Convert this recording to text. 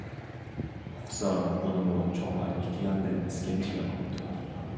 ئۇقسام ئۇنىمۇ چوڭلار ئىككى ياندىن ئىسكەنجىگە ئاپتۇ.